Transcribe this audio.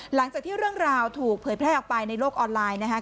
หลังจากที่เรื่องราวถูกเผยแพร่ออกไปในโลกออนไลน์นะครับ